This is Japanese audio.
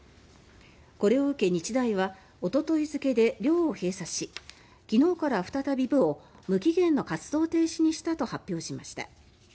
これを受け、日大はおととい付で寮を閉鎖し昨日から再び部を無期限の活動停止にしたと発表しました。